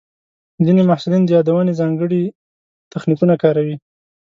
ځینې محصلین د یادونې ځانګړي تخنیکونه کاروي.